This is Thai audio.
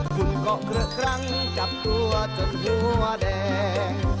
คุณก็เครื่องรังจับตัวจนหัวแดง